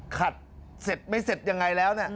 ขัดไม่เก็บยังไงแล้ว